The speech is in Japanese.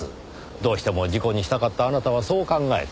どうしても事故にしたかったあなたはそう考えた。